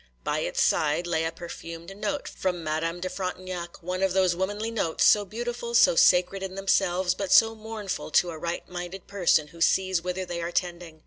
By its side lay a perfumed note from Madame de Frontignac,—one of those womanly notes, so beautiful, so sacred in themselves, but so mournful to a right minded person who sees whither they are tending.